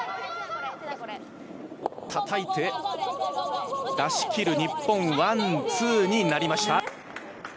たたいて出し切る、日本ワン、ツーになりました。